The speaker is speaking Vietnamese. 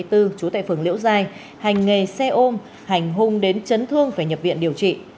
trú tại phường liễu giai hành nghề xe ôm hành hung đến chấn thương phải nhập viện điều trị